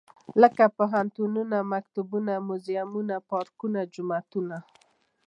لکه پوهنتونه ، مکتبونه موزيمونه، پارکونه ، جوماتونه.